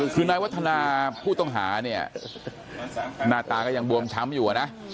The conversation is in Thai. คือนายวัฒนาผู้ต้องหาเนี่ยหน้าตาก็ยังบวมช้ำอยู่นะ